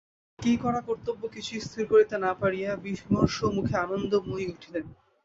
কী করা কর্তব্য কিছুই স্থির করিতে না পারিয়া বিমর্ষমুখে আনন্দময়ী উঠিলেন।